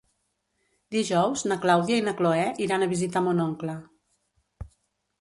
Dijous na Clàudia i na Cloè iran a visitar mon oncle.